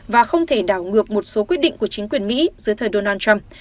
và không thể đảo ngược một số quyết định của chính quyền mỹ dưới thời donald trump